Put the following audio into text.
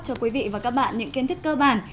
cho quý vị và các bạn những kiến thức cơ bản